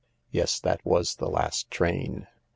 Yes, that was the last train.